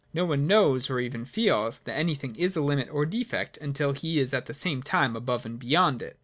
No one knows, or even feels, that anything is a limit or defect, until he is at the same time above and beyond it.